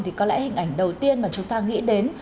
thì có lẽ hình ảnh đầu tiên mà chúng ta nghĩ đến